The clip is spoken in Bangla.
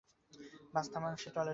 বাস থামান সে টয়লেটে যাবে।